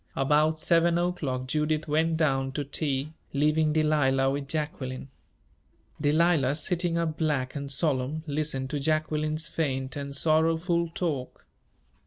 About seven o'clock Judith went down to tea, leaving Delilah with Jacqueline. Delilah, sitting up black and solemn, listened to Jacqueline's faint and sorrowful talk.